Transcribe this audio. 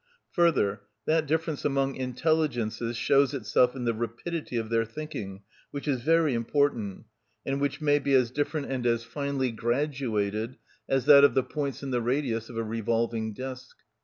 Further, that difference among intelligences shows itself in the rapidity of their thinking, which is very important, and which may be as different and as finely graduated as that of the points in the radius of a revolving disc.